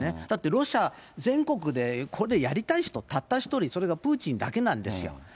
だってロシア全国でこれ、やりたい人、たった一人、それがプーチン大統領だけなんですよ。